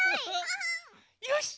よし！